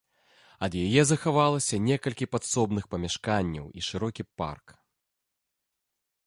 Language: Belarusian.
Ад яе захавалася некалькі падсобных памяшканняў і шырокі парк.